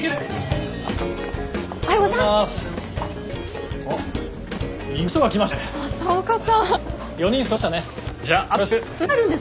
おはようございます。